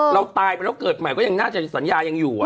เราตายไปแล้วเกิดใหม่ก็ยังน่าจะสัญญายังอยู่